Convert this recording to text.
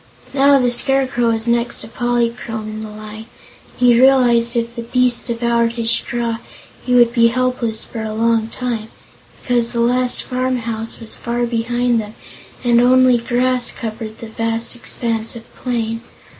Now, the Scarecrow was next to Polychrome in the line, and he realized if the beast devoured his straw he would be helpless for a long time, because the last farmhouse was far behind them and only grass covered the vast expanse of plain.